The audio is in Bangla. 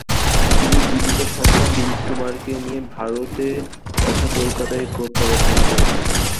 তিনি জীবিত সন্তান দিলীপকুমারকে নিয়ে ভারতে তথা কলকাতায় প্রত্যাবর্তন করেন।